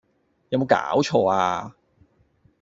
有冇搞錯呀！